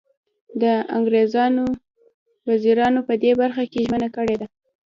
د انګریزانو وزیرانو په دې برخه کې ژمنه کړې ده.